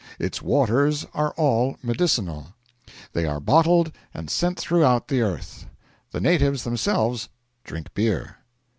Its waters are all medicinal. They are bottled and sent throughout the earth; the natives themselves drink beer.